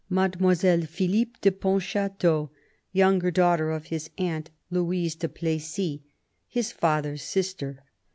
Mademoiselle Philippe de Pontchateau, younger daughter of his aunt, Louise du Plessis, his father's sister.